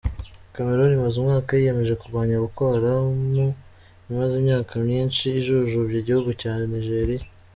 Kameruni imaze umwaka yiyemeje kurwanya Boko Haram imaze imyaka myinshi ijujubya igihugu cya Nijeriya.